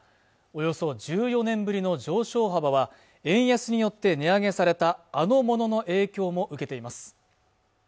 およそ１４年ぶりの上昇幅は円安によって値上げされたあのものの影響も受けています